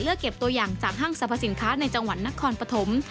เก็บตัวอย่างจากห้างสรรพสินค้าในจังหวัดนครปฐม